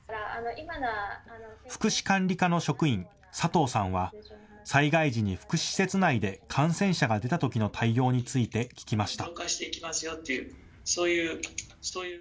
福祉管理課の職員、佐藤さんは災害時に福祉施設内で感染者が出たときの対応について聞きました。